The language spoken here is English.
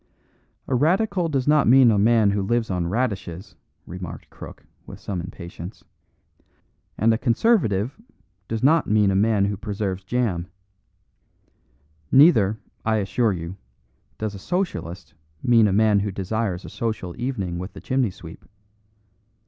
"A radical does not mean a man who lives on radishes," remarked Crook, with some impatience; "and a Conservative does not mean a man who preserves jam. Neither, I assure you, does a Socialist mean a man who desires a social evening with the chimney sweep.